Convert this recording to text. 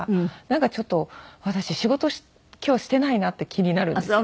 なんかちょっと私仕事今日していないなっていう気になるんです。